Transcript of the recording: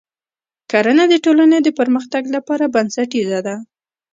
کرنه د ټولنې د پرمختګ لپاره بنسټیزه ده.